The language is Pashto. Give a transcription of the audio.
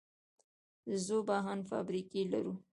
د ذوب اهن فابریکې لرو؟